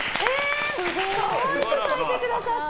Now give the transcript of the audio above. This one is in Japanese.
可愛く描いてくださった！